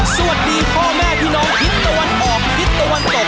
สวัสดีพ่อแม่พี่น้องทิศตะวันออกทิศตะวันตก